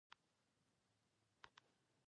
که مسلک مو هغه انتخاب وي چې علاقه ورسره لرئ.